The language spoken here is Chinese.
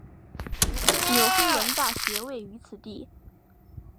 纽黑文大学位于此地。